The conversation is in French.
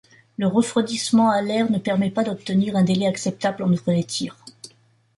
Le refroidissement à l'air ne permet pas d'obtenir un délai acceptable entre les tirs.